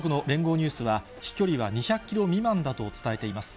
ニュースは、飛距離は２００キロ未満だと伝えています。